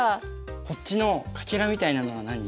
こっちのかけらみたいなのは何？